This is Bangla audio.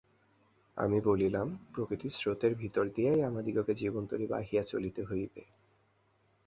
আমি বলিলাম, প্রকৃতির স্রোতের ভিতর দিয়াই আমাদিগকে জীবনতরী বাহিয়া চলিতে হইবে।